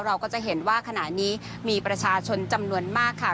เราก็จะเห็นว่าขณะนี้มีประชาชนจำนวนมากค่ะ